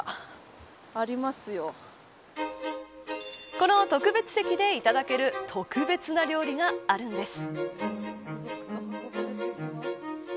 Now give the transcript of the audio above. この特別席でいただける特別な料理があるんです。